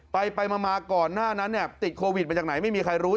ไปมาก่อนหน้านั้นเนี่ยติดโควิดมาจากไหนไม่มีใครรู้